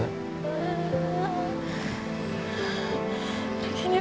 e di jenguk